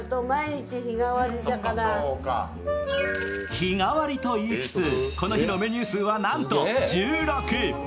日替わりといいつつ、この日のメニュー数はなんと１６。